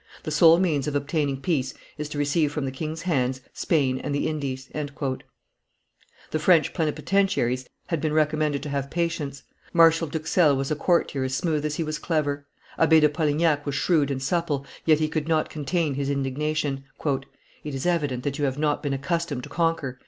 The sole means of obtaining peace is to receive from the king's hands Spain and the Indies." The French plenipotentiaries had been recommended to have patience. Marshal d'Huxelles was a courtier as smooth as he was clever; Abbe de Polignac was shrewd and supple, yet he could not contain his indignation. "It is evident that you have not been accustomed to conquer!"